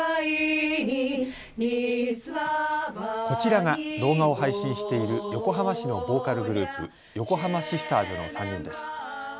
こちらが動画を配信している横浜市のボーカルグループ、横濱シスターズの３人です。